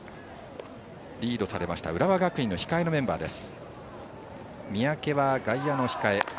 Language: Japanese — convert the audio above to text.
リードされました浦和学院の控えメンバーです。